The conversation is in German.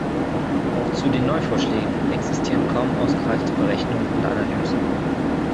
Auch zu den Neuvorschlägen existieren kaum ausgereifte Berechnungen und Analysen.